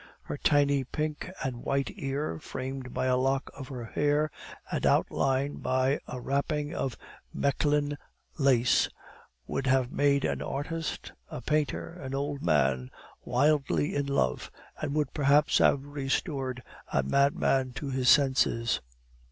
Her tiny pink and white ear, framed by a lock of her hair and outlined by a wrapping of Mechlin lace, would have made an artist, a painter, an old man, wildly in love, and would perhaps have restored a madman to his senses.